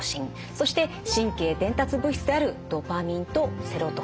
そして神経伝達物質であるドパミンとセロトニンと。